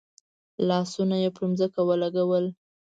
لاسونه یې پر ځمکه ولګول.